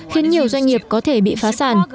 khiến nhiều doanh nghiệp có thể bị phá sản